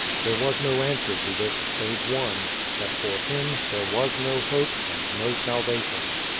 There was no answer to this, save one — that for him there was no hope and no salvation.